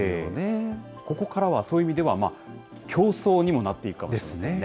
ここからはそういう意味では、競争にもなっていくかもしれないですよね。